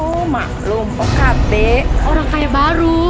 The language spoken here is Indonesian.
oh maklum oh kate orang kaya baru